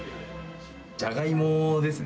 じゃがいもですね。